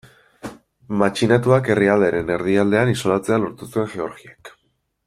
Matxinatuak herrialdearen erdialdean isolatzea lortu zuen Georgiak.